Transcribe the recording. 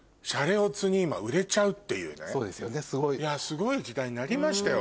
すごい時代になりましたよ